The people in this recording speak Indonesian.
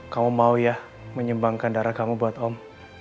kamu mau ya menyumbangkan darah kamu buat om